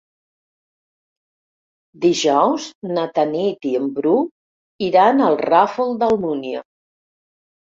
Dijous na Tanit i en Bru iran al Ràfol d'Almúnia.